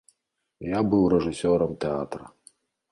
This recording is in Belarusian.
Я быў рэжысёрам тэатра.